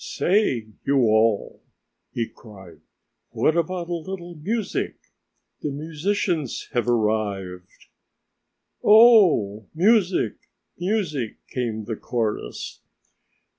"Say, you all," he cried, "what about a little music; the musicians have arrived." "Oh, music! music!" came the chorus.